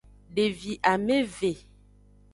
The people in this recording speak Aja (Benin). Devi ameve.